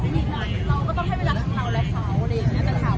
มาให้เวลาของเราสามารถเคาระเคาร์